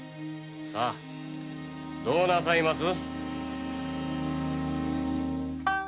さぁどうなさいます？